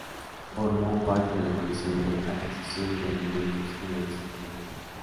Formó parte de la Comisión de Adquisiciones de Armamentos en el Extranjero.